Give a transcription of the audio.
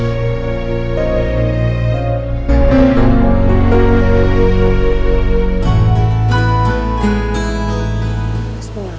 sebagiannya nanti aku pac bernanda x